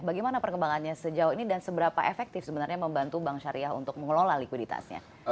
bagaimana perkembangannya sejauh ini dan seberapa efektif sebenarnya membantu bank syariah untuk mengelola likuiditasnya